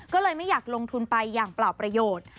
ก็เลยไม่อยากลงทุนไปอย่างเปล่าประโยชน์